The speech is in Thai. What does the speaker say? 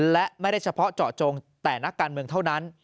และไม่ได้เฉพาะเจาะจงแต่นักการเมืองเท่านั้น